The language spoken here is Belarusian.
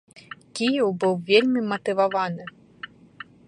Кіеў быў вельмі матываваны.